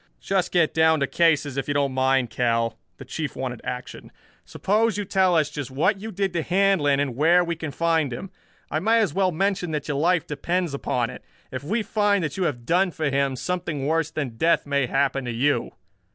"Just get down to cases, if you don't mind, Kell." The Chief wanted action. "Suppose you tell us just what you did to Handlon and where we can find him. I may as well mention that your life depends upon it. If we find that you have done for him, something worse than death may happen to you."